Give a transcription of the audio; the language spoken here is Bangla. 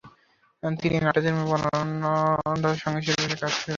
তিনি নাট্যধর্মী ও বর্ণনাধর্মী সঙ্গীতশিল্পী হিসেবে কাজ শুরু করেন।